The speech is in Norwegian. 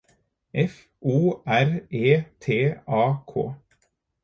F O R E T A K